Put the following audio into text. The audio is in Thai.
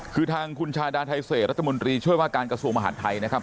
คือทางคุณชาดาไทเศษรัฐมนตรีช่วยว่าการกระทรวงมหาดไทยนะครับ